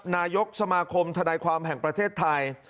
นายกสมาคมธนายความแห่งประเทศไทย